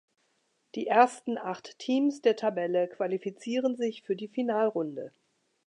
Die ersten acht Teams der Tabelle qualifizieren sich für die Finalrunde.